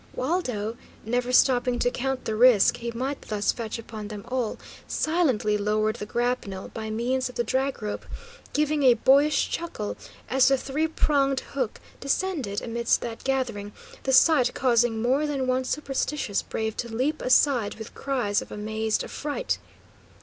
Waldo, never stopping to count the risk he might thus fetch upon them all, silently lowered the grapnel, by means of the drag rope, giving a boyish chuckle as the three pronged hook descended amidst that gathering, the sight causing more than one superstitious brave to leap aside, with cries of amazed affright.